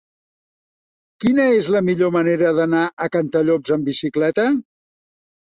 Quina és la millor manera d'anar a Cantallops amb bicicleta?